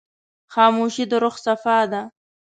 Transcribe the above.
خاموشي، د روح صفا ده.